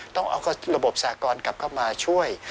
ต้องเอาระบบสากรกลับเข้ามาช่วย